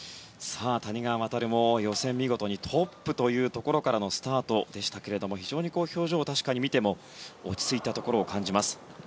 谷川航も予選、見事にトップというところからのスタートでしたが確かに非常に表情を見ても落ち着いたところを感じます。